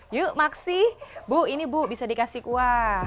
yuk maksi bu ini bu bisa dikasih kuah